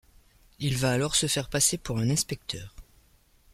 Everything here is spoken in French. Il va alors se faire passer pour un inspecteur.